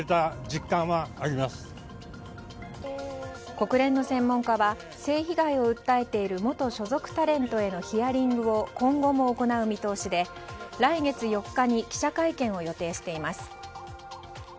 国連の専門家は性被害を訴えている元所属タレントへのヒアリングを今後も行う見通しで来月４日に記者会見を予定しています。